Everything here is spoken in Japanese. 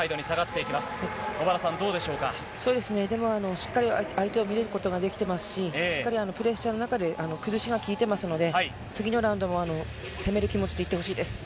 しっかり相手を見ることができていますししっかりプレッシャーの中で崩しが効いていますので次のラウンドも攻める気持ちでいってほしいです。